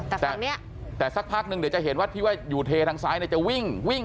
อ่าแต่ฝั่งเนี้ยแต่สักพักหนึ่งเดี๋ยวจะเห็นว่าที่ว่าอยู่เททางซ้ายเนี้ยจะวิ่ง